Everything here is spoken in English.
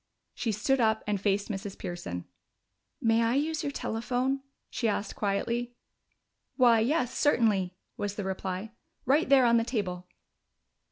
She stood up and faced Mrs. Pearson. "May I use your telephone?" she asked quietly. "Why, yes, certainly," was the reply. "Right there on the table."